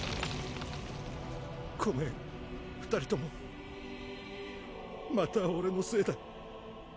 ごめん２人ともまた俺のせいだ。